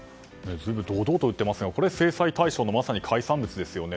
堂々と売ってますがこれは制裁対象の海産物ですよね。